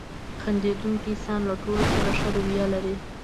• خندېدونکی انسان له ټولو سره ښه رویه لري.